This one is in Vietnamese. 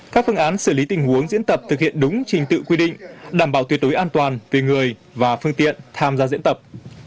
các phương án xử lý tình huống diễn tập thực hiện đúng trình tự quy định đảm bảo tuyệt đối an toàn về người và phương tiện tham gia diễn tập